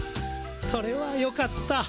それはよかった。